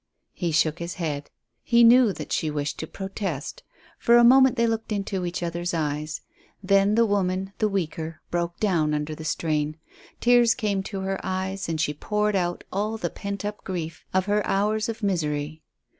He shook his head. He knew that she wished to protest. For a moment they looked into each other's eyes. Then the woman, the weaker, broke down under the strain. Tears came to her eyes, and she poured out all the pent up grief of her hours of misery.